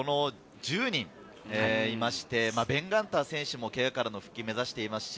この１０人いまして、ベン・ガンター選手のけがからの復帰を目指しています。